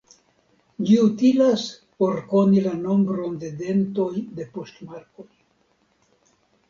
Ĝi utilas por koni la nombron de dentoj de poŝtmarkoj.